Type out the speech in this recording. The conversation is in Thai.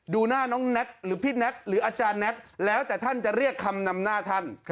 ดูหน้าน้องแน็ตหรือพี่แน็ตหรืออาจารย์แน็ตแล้วแต่ท่านจะเรียกคำนำหน้าท่าน